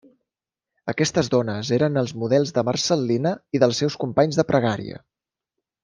Aquestes dones eren els models de Marcel·lina i dels seus companys de pregària.